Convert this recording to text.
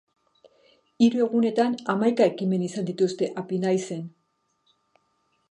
Hiru egunetan hamaika ekimen izan dituzte Apinaizen.